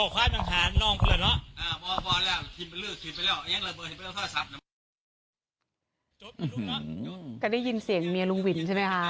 ได้ยินเสียงเมียลุงวินใช่ไหมคะ